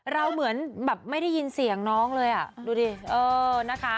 เหมือนแบบไม่ได้ยินเสียงน้องเลยอ่ะดูดิเออนะคะ